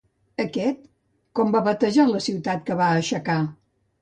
Aquest, com va batejar la ciutat que va aixecar?